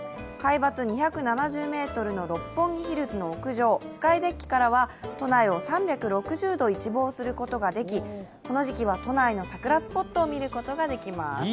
海抜２７０ｍの六本木ヒルズの屋上、スカイデッキからは都内を３６０度一望することができ、この時期は都内の桜スポットを見ることができます。